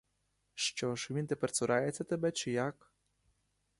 Що ж, він тепер цурається тебе, чи як?